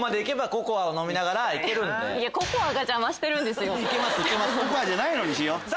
ココアじゃないのにしよう！